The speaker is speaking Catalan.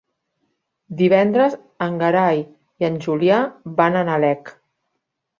Divendres en Gerai i en Julià van a Nalec.